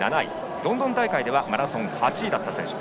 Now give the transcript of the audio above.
ロンドン大会ではマラソン８位だった選手。